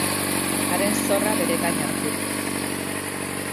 Haren zorra bere gain harturik.